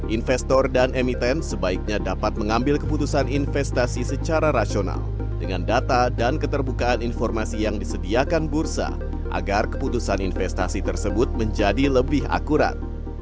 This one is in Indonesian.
investor dan emiten sebaiknya dapat mengambil keputusan investasi secara rasional dengan data dan keterbukaan informasi yang disediakan bursa agar keputusan investasi tersebut menjadi lebih akurat